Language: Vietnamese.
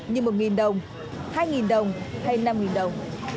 như một đồng hai đồng hay năm đồng